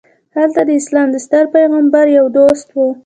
هلته د اسلام د ستر پیغمبر یو دوست و.